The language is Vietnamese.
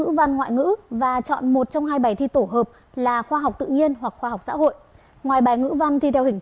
quận bảy là hơn một trăm một mươi hai tỷ đồng quận một là hơn một trăm linh hai tỷ đồng quận bình tân gần một trăm linh tám tỷ đồng